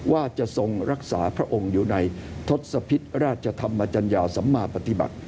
ว่าจะทรงรักษาพระองค์อยู่ในทศพิษราชธรรมจัญญาสัมมาปฏิบัติ